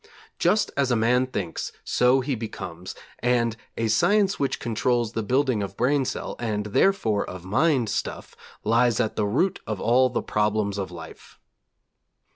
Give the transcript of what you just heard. Just as a man thinks so he becomes, and 'a science which controls the building of brain cell, and therefore of mind stuff, lies at the root of all the problems of life.'